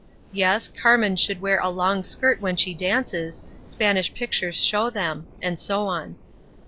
Yes, Carmen should wear a long skirt when she dances, Spanish pictures show them; and so on.